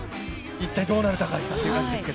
一体、どうなる、高橋さんという感じですが。